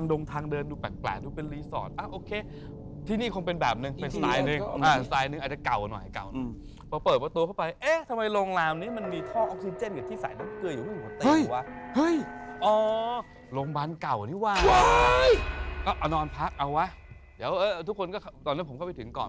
เดี๋ยวเออทุกคนก็ตอนนั้นผมก็ไปถึงก่อน